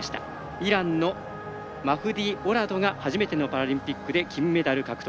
イランのマフディ・オラドが初めてのパラリンピックで金メダル獲得。